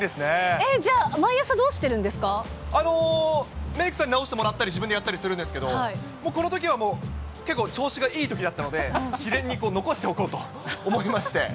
えっ、メークさんに直してもらったり、自分でやったりするんですけど、このときはもう、結構調子がいいときだったので、記念に残しておこうと思いまして。